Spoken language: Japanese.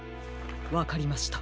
わかりました。